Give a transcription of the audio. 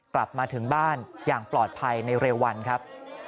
กลับมาถึงบ้านอย่างปลอดภัยในเร็ววันครับ